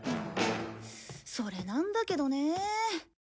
それなんだけどねえ。